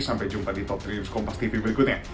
sampai jumpa di top tiga news kompastv berikutnya